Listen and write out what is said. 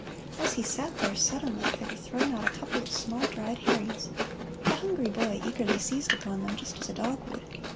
As he sat there, suddenly there were thrown out a couple of small dried herrings. The hungry boy eagerly seized upon them, just as a dog would.